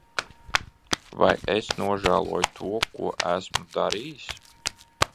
Vai es nožēloju to, ko esmu darījis?